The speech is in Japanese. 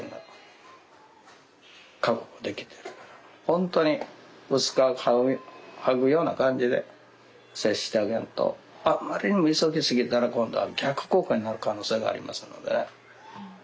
本当に薄皮を剥ぐような感じで接してあげんとあんまりにも急ぎすぎたら今度は逆効果になる可能性がありますので。